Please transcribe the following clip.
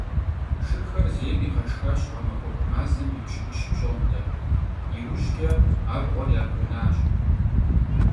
Шырхэр зейм игъэшхащ гъэмахуэку мазэм и пщыкӀущ пщӀондэ, иужькӀэ абгъуэр ябгынащ.